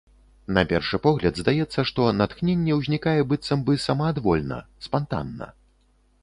На першы погляд здаецца, што натхненне ўзнікае быццам бы самаадвольна, спантанна.